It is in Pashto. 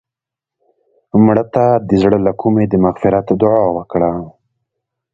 مړه ته د زړه له کومې د مغفرت دعا وکړه